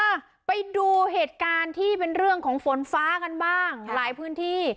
อ่ะไปดูเหตุการณ์ที่เป็นเรื่องของฝนฟ้ากันบ้างหลายพื้นที่